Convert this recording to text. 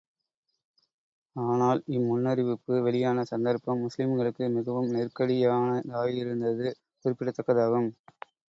ஆனால் இம் முன்னறிவிப்பு வெளியான சந்தர்ப்பம், முஸ்லிம்களுக்கு மிகவும் நெருக்கடியானதாயிருந்தது குறிப்பிடத் தக்கதாகும்.